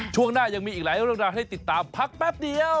ช่วงหน้ายังมีอีกหลายเรื่องราวให้ติดตามพักแป๊บเดียว